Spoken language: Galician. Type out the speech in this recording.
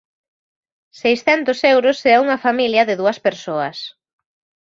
Seiscentos euros se é unha familia de dúas persoas.